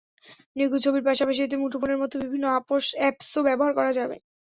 নিখুঁত ছবির পাশাপাশি এতে মুঠোফোনের মতো বিভিন্ন অ্যাপসও ব্যবহার করা যাবে।